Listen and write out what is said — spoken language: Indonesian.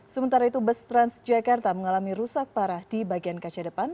sementara itu bus transjakarta mengalami rusak parah di bagian kaca depan